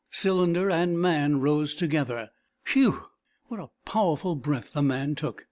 Cylinder and man rose together. Whew! What a powerful breath the man took!